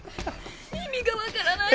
意味がわからない！